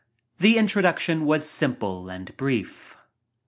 The introduction was simple and brief.